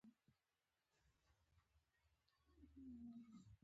زړه د ښکلا هنداره ده.